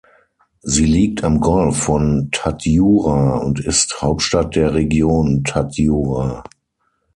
Sie liegt am Golf von Tadjoura und ist Hauptstadt der Region Tadjoura.